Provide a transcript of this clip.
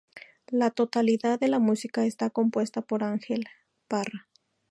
La totalidad de la música está compuesta por Ángel Parra.